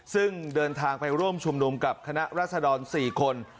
ซึ่งเดินทางไปร่วมชุมนุมกับคณะรัศดร๔คน